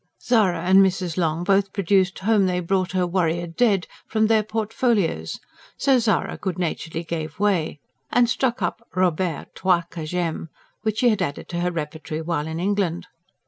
Zara and Mrs. Long both produced HOME THEY BROUGHT HER WARRIOR DEAD! from their portfolios; so Zara good naturedly gave way and struck up ROBERT, TOI QUE J'AIME! which she had added to her repertory while in England.